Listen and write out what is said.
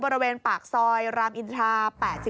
บริเวณปากซอยรามอินทรา๘๔